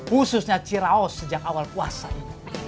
khususnya ciraos sejak awal puasa ini